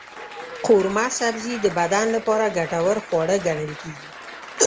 قورمه سبزي د بدن لپاره ګټور خواړه ګڼل کېږي.